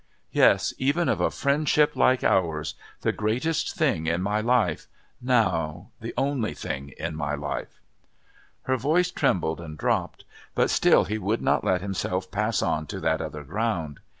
Yes, even of a friendship like ours the greatest thing in my life now the only thing in my life." Her voice trembled and dropped. But still he would not let himself pass on to that other ground.